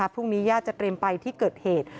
พรุ่งนี้ย่าจะเตรียมไปที่เกิดเหตุ